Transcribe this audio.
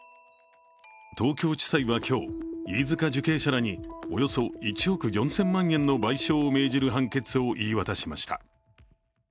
東京地裁は今日、飯塚受刑者らにおよそ１億４０００万円の賠償を命じる判決を言い渡しました。